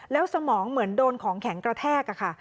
แล้วสมองเหมือนโดนของแข็งกระแทกค่ะ